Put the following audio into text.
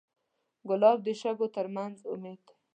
ګلاب د شګو تر منځ امید دی.